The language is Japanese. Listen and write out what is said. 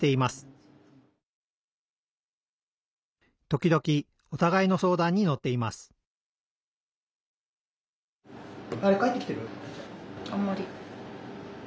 時々おたがいの相談に乗っていますあんまり。